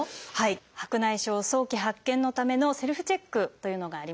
白内障早期発見のためのセルフチェックというのがあります。